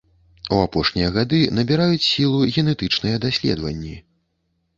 У апошнія гады набіраюць сілу генетычныя даследаванні.